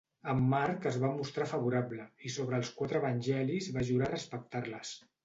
En March es va mostrar favorable, i sobre els quatre Evangelis va jurar respectar-les.